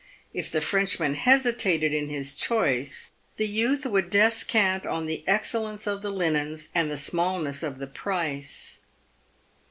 If the Frenchman hesitated in his choice, the youth would descant on the excellence of the linens, and the smallness of the price.